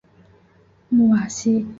穆瓦西。